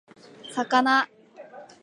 魚